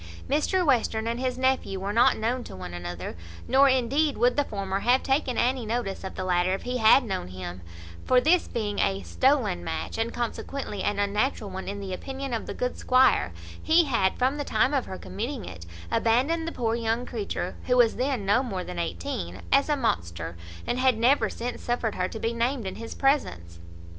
Mr Western and his nephew were not known to one another; nor indeed would the former have taken any notice of the latter if he had known him; for, this being a stolen match, and consequently an unnatural one in the opinion of the good squire, he had, from the time of her committing it, abandoned the poor young creature, who was then no more than eighteen, as a monster, and had never since suffered her to be named in his presence.